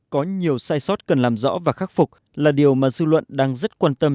có nhiều sai sót cần làm rõ và khắc phục là điều mà dư luận đang rất quan tâm